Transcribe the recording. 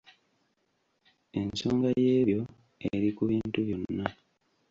Ensonga y'ebyo, eri ku bintu byonna.